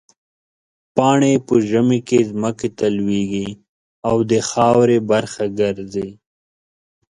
پاڼې په ژمي کې ځمکې ته لوېږي او د خاورې برخه ګرځي.